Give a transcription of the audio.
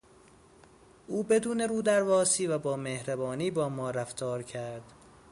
او بدون رودرواسی و با مهربانی با ما رفتار کرد.